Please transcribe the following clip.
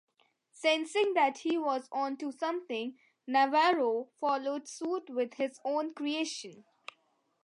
Sensing that he was on to something, Navarro followed suit with his own creations.